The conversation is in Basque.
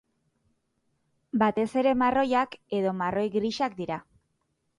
Batez ere marroiak edo marroi-grisak dira.